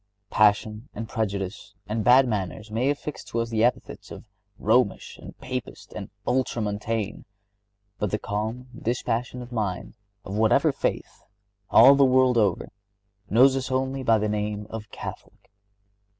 Passion and prejudice and bad manners may affix to us the epithets of Romish and Papist and Ultramontane, but the calm, dispassionate mind, of whatever faith, all the world, over, knows us only by the name of Catholic.